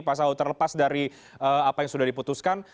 pasal terlepas dari apa yang sudah diputuskan